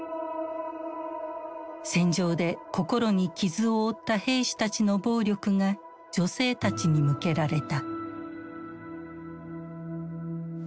戦場で心に傷を負った兵士たちの暴力が女性たちに向けられた。